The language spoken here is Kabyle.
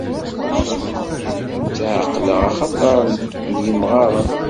Ttɛeqqleɣ akter n yimɣaren.